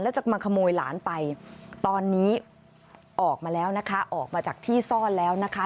แล้วจะมาขโมยหลานไปตอนนี้ออกมาแล้วนะคะออกมาจากที่ซ่อนแล้วนะคะ